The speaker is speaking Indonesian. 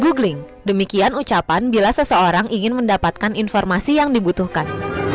googling demikian ucapan bila seseorang ingin mendapatkan informasi yang dibutuhkan